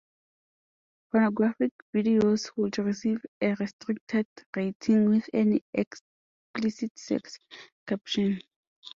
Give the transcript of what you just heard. Pornographic videos would receive a Restricted rating with an "Explicit Sex" caption.